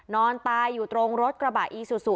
นอนตายอยู่ตรงรถกระบะอีซูซู